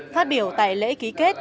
phát biểu tại lễ ký kết